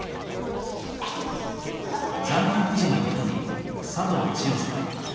残留婦人の一人佐藤千代さん。